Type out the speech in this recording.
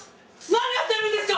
何やってるんですか！